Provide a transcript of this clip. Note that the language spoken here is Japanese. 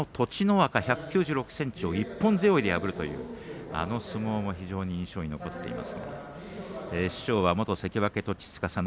この場所で長身の栃乃若１９６ｃｍを一本背負いで破るというあの相撲も非常に印象に残っています。